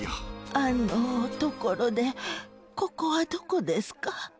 あの、ところでここはどこですか？